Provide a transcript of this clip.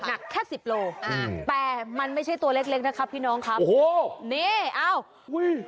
หนักแค่สิบโลอ่าแต่มันไม่ใช่ตัวเล็กเล็กนะครับพี่น้องครับโอ้โหนี่อ้าวอุ้ย